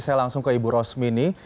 saya langsung ke ibu rosmini